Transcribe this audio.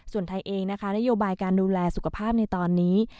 ส่วนไทยเองนะคะนโยบายการดูแลสุขภาพในตอนนี้